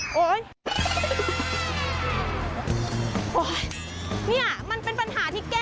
กล่าวให้ด้วยนะคะ